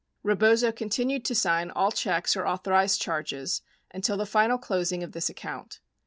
22 Rebozo continued to sign all checks or authorized charges until the final closing of this account.